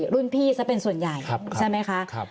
รุ่นพี่ซะเป็นส่วนใหญ่ใช่ไหมคะ